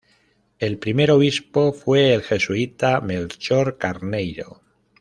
El primer obispo fue el jesuita Melchor Carneiro.